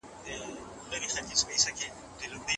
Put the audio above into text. هلک په ډېرې خوښۍ سره بېرته کوټې ته ننوت.